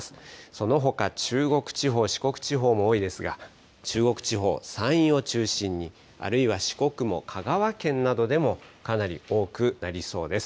そのほか中国地方、四国地方も多いですが、中国地方、山陰を中心に、あるいは四国も香川県などでもかなり多くなりそうです。